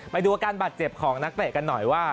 ไปดูอาการบาดเจ็บของนักเตะกันหน่อยว่า